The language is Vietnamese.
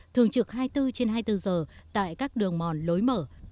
thường trực hai mươi bốn trên hai mươi bốn giờ tại các đường mòn lối mở